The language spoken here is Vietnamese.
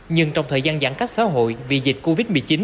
nhưng trong thời gian giãn cách xã hội vì dịch covid một mươi chín